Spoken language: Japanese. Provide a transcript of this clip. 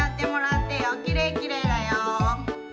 きれいきれいだよ。